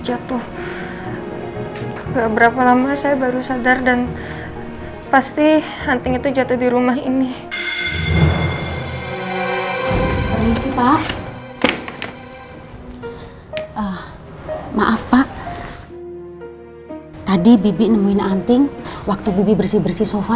jangan lupa like share dan subscribe ya